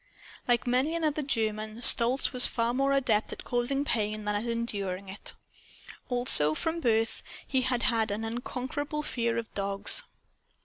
Like many another German, Stolz was far more adept at causing pain than at enduring it. Also, from birth, he had had an unconquerable fear of dogs.